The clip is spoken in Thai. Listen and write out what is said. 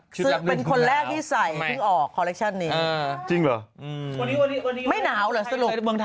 ซึ่งเป็นคนแรกที่ใส่แต่ออก